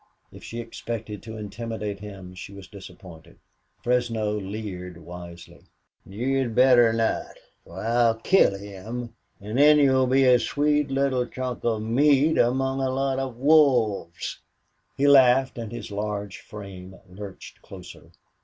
If she expected to intimidate him she was disappointed. Fresno leered wisely. "You'd better not. Fer I'll kill him, an' then you'll be a sweet little chunk of meat among a lot of wolves!" He laughed and his large frame lurched closer.